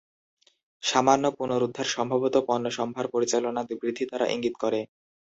সামান্য পুনরুদ্ধার সম্ভবত পণ্যসম্ভার পরিচালনা বৃদ্ধি দ্বারা ইঙ্গিত করে।